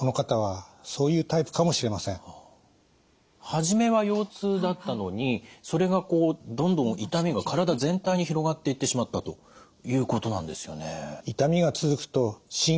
初めは腰痛だったのにそれがこうどんどん痛みが体全体に広がっていってしまったということなんですよね。